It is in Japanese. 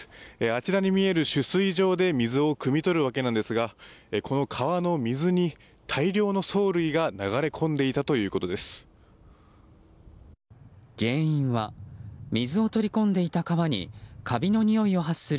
あちらに見える取水場で水をくみ取るわけなんですがこの川の水に、大量の藻類が流れ込んでいたということです。